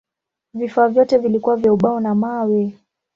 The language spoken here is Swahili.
Vifaa vyote vilikuwa vya ubao na mawe.